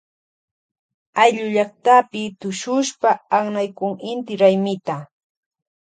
Ayllullaktapi tushushpa aknaykun inti raymita.